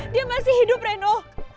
dia masih hidup reno